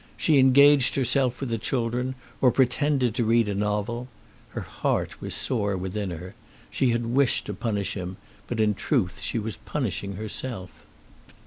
She engaged herself with the children or pretended to read a novel. Her heart was sore within her. She had wished to punish him, but in truth she was punishing herself.